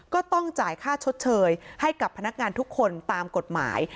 ก็ต้องจ่ายค่าชดเชยให้กับพนักงานทุกคนตามกฎหมาย